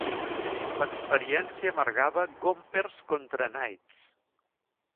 L'experiència amargava Gompers contra Knights.